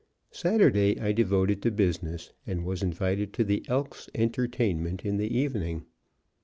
Saturday I devoted to business; and was invited to the Elks' entertainment in the evening.